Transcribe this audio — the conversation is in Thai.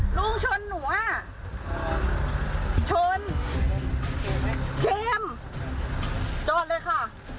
หลุงชนหัวชนเคมจอดเลยค่ะ